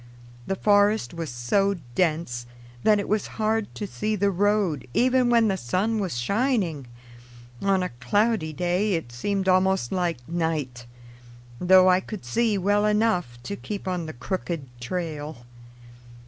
The forest was so dense that it was hard to see the road even when the sun was shining; on a cloudy day it seemed almost like night, though I could see well enough to keep on the crooked trail.